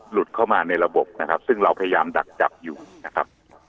หลุดเข้ามาในระบบนะครับซึ่งเราพยายามดักจับอยู่นะครับ